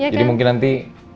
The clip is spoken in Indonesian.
jadi mungkin nanti